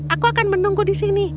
aku akan menunggu di sini